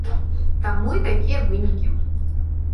Таму і такія вынікі.